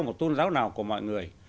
một tôn giáo nào của mọi người